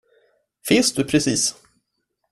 Fes du precis?